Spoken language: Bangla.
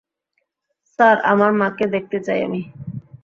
স্যার, আমার মাকে দেখতে চাই আমি।